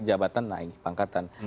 jabatan naik pangkatan